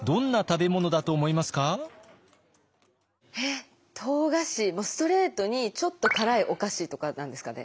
もうストレートにちょっと辛いお菓子とかなんですかね。